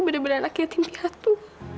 bener bener anak yatim piatu